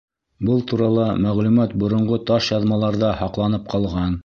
Был турала мәғлүмәт боронғо таш яҙмаларҙа һаҡланып ҡалған...